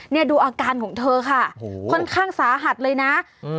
เนี่ยดูอาการของเธอค่ะโอ้โหค่อนข้างสาหัสเลยนะอืม